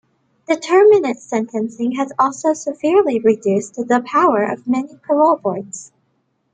Determinate sentencing has also severely reduced the power of many parole boards.